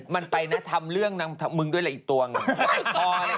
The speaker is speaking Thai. มันไปนะทำเรื่องมึงด้วยอะไรอีกตัวหนึ่ง